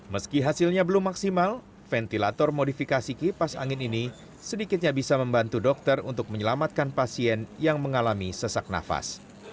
meski hasilnya belum maksimal ventilator modifikasi kipas angin ini sedikitnya bisa membantu dokter untuk menyelamatkan pasien yang mengalami sesak nafas